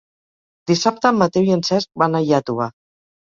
Dissabte en Mateu i en Cesc van a Iàtova.